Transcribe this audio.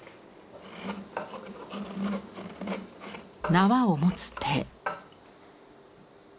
縄を持つ手。